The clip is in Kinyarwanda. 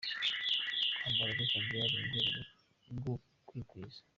Kwambara gutya byari mu rwego rwo kwikwiza.